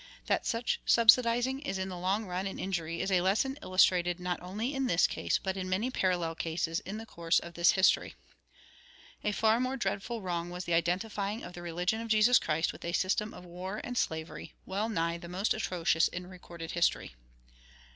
That such subsidizing is in the long run an injury is a lesson illustrated not only in this case, but in many parallel cases in the course of this history. A far more dreadful wrong was the identifying of the religion of Jesus Christ with a system of war and slavery, well nigh the most atrocious in recorded history.